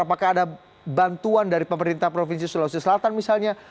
apakah ada bantuan dari pemerintah provinsi sulawesi selatan misalnya